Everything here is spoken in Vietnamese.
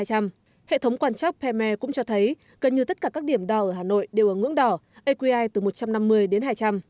hệ thống quan chắc pme cũng cho thấy gần như tất cả các điểm đo ở hà nội đều ở ngưỡng đỏ aqi từ một trăm năm mươi đến hai trăm linh